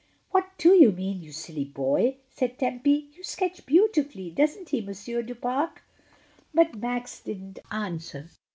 "What do you mean, you silly boy?" said Tempy. "You sketch beautifully; doesn't he. Monsieur du Pare?" But Max didn't answer.